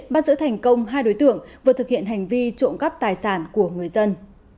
bắt giữ thành công hai đối tượng vừa thực hiện hành vi trộm cắp tài sản của người dân